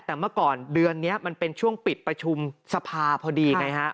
แต่เมื่อก่อนเดือนนี้มันเป็นช่วงปิดประชุมสภาพอดีไงฮะ